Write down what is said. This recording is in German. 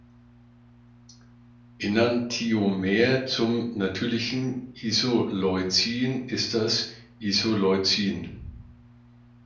Enantiomer zum natürlichen -Isoleucin ist das -Isoleucin.